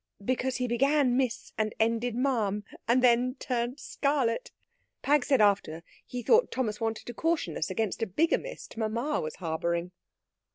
Because he began miss and ended ma'am, and then turned scarlet. Pag said after he thought Thomas wanted to caution us against a bigamist mamma was harbouring.